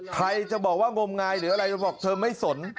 ใครจะบอกว่างมงายหรืออะไรจะบอกเธอไม่สน